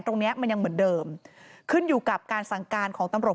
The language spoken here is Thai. ตรงเนี้ยมันยังเหมือนเดิมขึ้นอยู่กับการสั่งการของตำรวจ